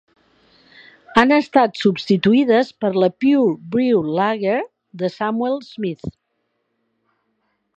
Han estat substituïdes per la Pure Brewed Lager de Samuel Smith.